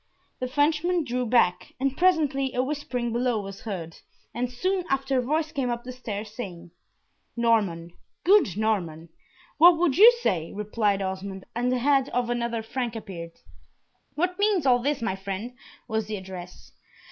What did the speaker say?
The Frenchman drew back, and presently a whispering below was heard, and soon after a voice came up the stairs, saying, "Norman good Norman " "What would you say?" replied Osmond, and the head of another Frank appeared. "What means all this, my friend?" was the address.